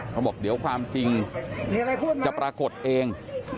เขาบอกเดี๋ยวความจริงจะปรากฏเอง